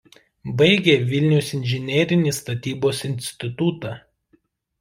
Baigė Vilniaus inžinerinį statybos institutą.